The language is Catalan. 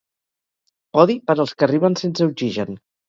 Podi per als que arriben sense oxigen.